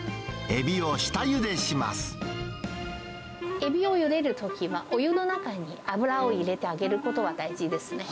エビをゆでるときは、お湯の中に油を入れてあげることが大事ですね。